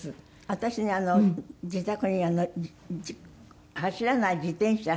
私ね自宅に走らない自転車あるの。